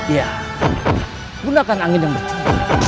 ya gunakan angin yang besar